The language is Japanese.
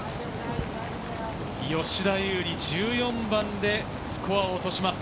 吉田優利、１４番でスコアを落とします。